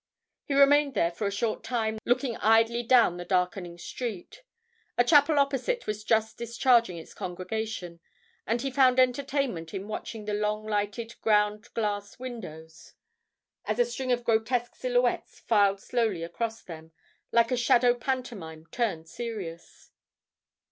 He remained there for a short time looking idly down the darkening street. A chapel opposite was just discharging its congregation, and he found entertainment in watching the long lighted ground glass windows, as a string of grotesque silhouettes filed slowly across them, like a shadow pantomime turned serious.